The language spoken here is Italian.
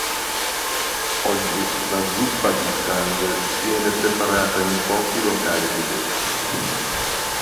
Oggi la zuppa di sangue viene preparata in pochi locali tedeschi.